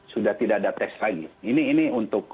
sudah tidak ada tes lagi ini untuk